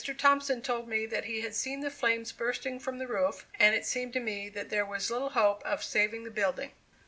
Thompson told me that he had seen the flames bursting from the roof and it seemed to me that there was little hope of saving the building.